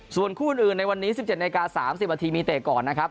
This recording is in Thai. ส่วนคู่อื่นในวันนี้๑๗นาที๓๐นาทีมีเตะก่อนนะครับ